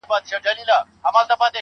مثبت فکر ذهن آراموي.